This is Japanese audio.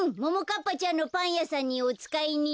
かっぱちゃんのパンやさんにおつかいに。